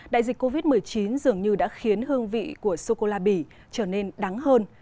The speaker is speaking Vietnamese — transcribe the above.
đại dịch covid một mươi chín dường như đã khiến hương vị của sô cô la bỉ trở nên đắng hơn